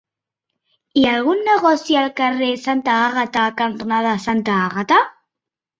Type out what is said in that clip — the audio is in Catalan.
Hi ha algun negoci al carrer Santa Àgata cantonada Santa Àgata?